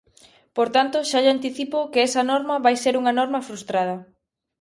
Por tanto, xa lle anticipo que esa norma vai ser unha norma frustrada.